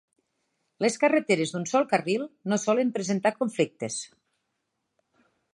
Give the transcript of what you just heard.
Les carreteres d'un sol carril no solen presentar conflictes.